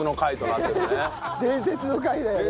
伝説の回だよね。